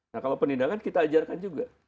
nah kalau penindakan kita ajarkan juga